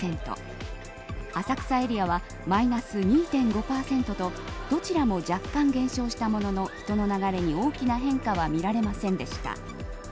浅草エリアはマイナス２．５％とどちらも若干、減少したものの人の流れに、大きな変化は見られませんでした。